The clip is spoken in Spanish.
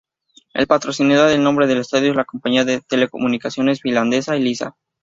El patrocinador del nombre del estadio es la compañía de telecomunicaciones finlandesa Elisa.